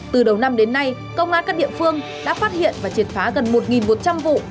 từ đầu năm đến nay công an các địa phương đã phát hiện và triệt phá gần một một trăm linh vụ